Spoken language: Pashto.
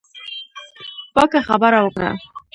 پاکه خبره وکړه.